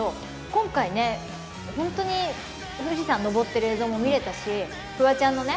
今回ねホントに富士山登ってる映像も見れたしフワちゃんのね